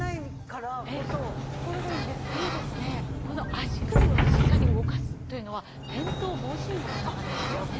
この足首をしっかり動かすというのは転倒防止にも繋がるんですよね。